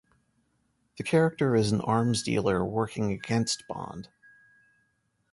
The character is an arms dealer working against Bond.